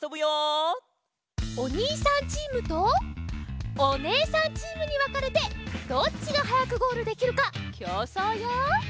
おにいさんチームとおねえさんチームにわかれてどっちがはやくゴールできるかきょうそうよ！